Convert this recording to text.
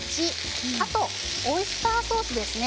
あとオイスターソースですね。